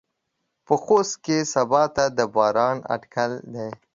په خوست کې سباته د باران اټکل دى.